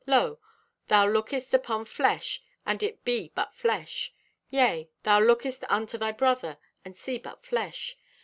Lo, thou lookest upon flesh and it be but flesh. Yea, thou lookest unto thy brother, and see but flesh.